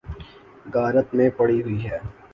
غارت میں پڑی ہوئی ہے۔